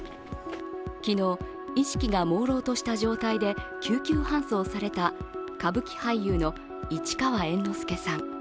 昨日、意識がもうろうとした状態で救急搬送された歌舞伎俳優の市川猿之助さん。